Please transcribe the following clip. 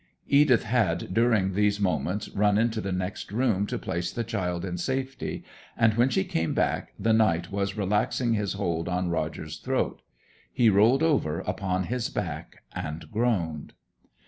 Edith had during these moments run into the next room to place the child in safety, and when she came back the knight was relaxing his hold on Roger's throat. He rolled over upon his back and groaned.